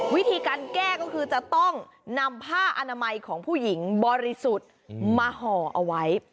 วิธีการแก้ก็คือจะต้องนำผ้าอนามัยของผู้หญิงบริสุทธิ์มาห่อเอาไว้